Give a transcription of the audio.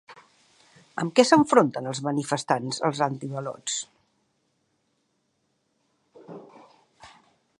Amb què s'enfronten els manifestants als antiavalots?